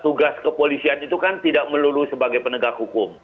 tugas kepolisian itu kan tidak melulu sebagai penegak hukum